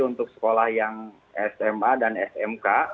untuk sekolah yang sma dan smk